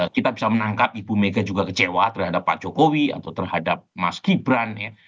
kita bisa menangkap ibu mega juga kecewa terhadap pak jokowi atau terhadap mas gibran ya